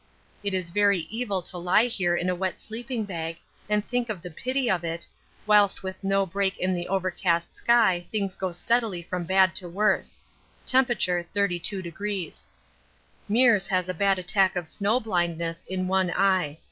It is very evil to lie here in a wet sleeping bag and think of the pity of it, whilst with no break in the overcast sky things go steadily from bad to worse (T. 32°). Meares has a bad attack of snow blindness in one eye.